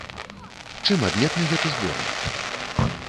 Чым адметны гэты зборнік?